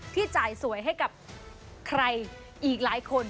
จ่ายสวยให้กับใครอีกหลายคน